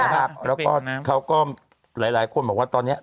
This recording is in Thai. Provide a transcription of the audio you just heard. แล้วก็เขาก็หลายคนบอกว่าตอนนี้